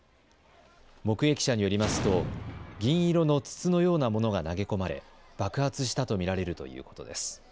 目撃者によりますと銀色の筒のようなものが投げ込まれ、爆発したと見られるということです。